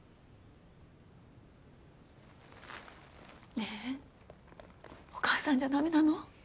ねえお母さんじゃ駄目なの？